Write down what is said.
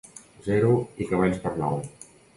Zero i cavalls per nou.